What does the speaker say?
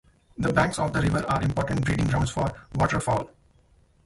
The banks of the river are important breeding grounds for waterfowl.